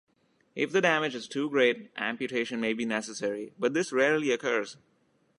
If the damage is too great, amputation might be necessary, but this rarely occurs.